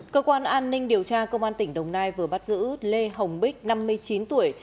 cơ quan an ninh điều tra công an tỉnh đồng nai vừa bắt giữ lê hồng bích năm mươi chín tuổi